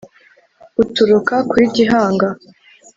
uturuka kuri gihanga